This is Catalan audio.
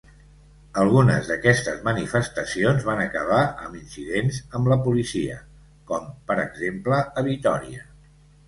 Algunes d'aquestes manifestacions van acabar amb incidents amb la policia, com per exemple a Vitòria.